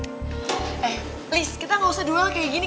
eh list kita gak usah duel kayak gini